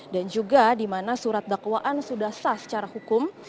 dan juga di mana surat dakwaan sudah sah secara hukum